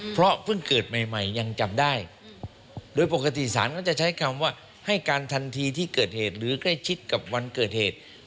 เพราะเพิ่งเกิดใหม่ใหม่ยังจับได้โดยปกติศาลก็จะใช้คำว่าให้การทันทีที่เกิดเหตุหรือใกล้ชิดกับวันเกิดเหตุ